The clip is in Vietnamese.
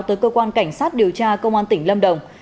tới cơ quan cảnh sát điều tra công an tỉnh lâm đồng